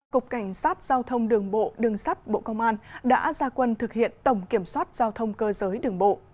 cục cảnh sát giao thông đường bộ đường sắt bộ công an đã ra quân thực hiện tổng kiểm soát giao thông cơ giới đường bộ